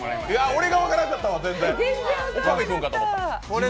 俺が分からんかったわ全然。